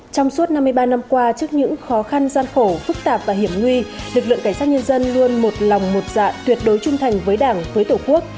trong suốt năm mươi ba năm qua trước những khó khăn gian khổ phức tạp và hiểm nguy lực lượng cảnh sát nhân dân luôn một lòng một dạ tuyệt đối trung thành với đảng với tổ quốc